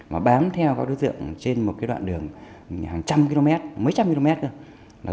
mà bám theo các đối tượng trên một đoạn đường hàng trăm km mấy trăm km thôi